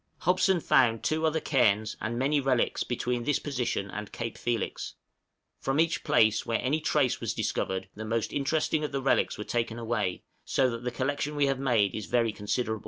Hobson found two other cairns, and many relics, between this position and Cape Felix. From each place where any trace was discovered the most interesting of the relics were taken away, so that the collection we have made is very considerable.